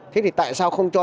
thế thì tại sao không cho